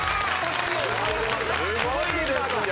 すごいですよ。